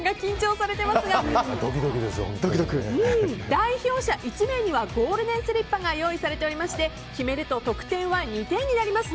代表者１名にはゴールデンスリッパが用意されておりまして決めると得点は２点になります。